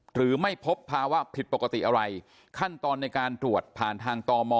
หรือไม่พบภาวะผิดปกติอะไรขั้นตอนในการตรวจผ่านทางตม